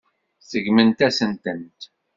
Seggment-asen-tent.